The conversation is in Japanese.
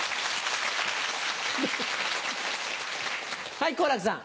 はい好楽さん。